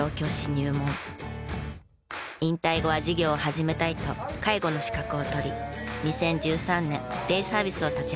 引退後は事業を始めたいと介護の資格を取り２０１３年デイサービスを立ち上げました。